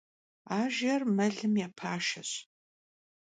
Ajjer melım ya paşşeş.